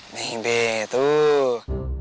nih be tuh